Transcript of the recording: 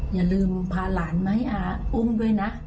อย่าลืมพาหลานมาให้อาอุ้มด้วยนะ